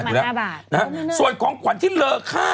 คุณหมอโดนกระช่าคุณหมอโดนกระช่า